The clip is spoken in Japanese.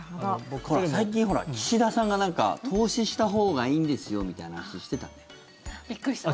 最近、岸田さんが投資したほうがいいですよみたいな話してたね。